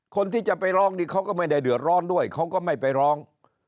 คนที่จะไปร้องนี่เขาก็ไม่ได้เดือดร้อนด้วยเขาก็ไม่ไปร้อง